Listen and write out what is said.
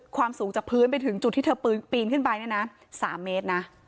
ความสูงจากพื้นไปถึงจุดที่เธอปีนขึ้นไปเนี่ยนะ๓เมตรนะ